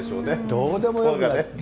どうでもよくなる。